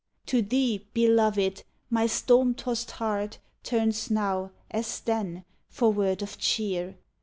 To thee, beloved, my storm tost heart Turns now, as then, for word of cheer.